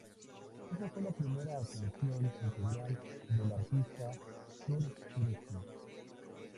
Esa fue la primera ascensión integral de la arista Sur-Sureste.